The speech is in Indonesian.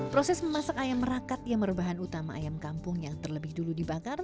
proses memasak ayam merakat yang merupakan utama ayam kampung yang terlebih dulu dibakar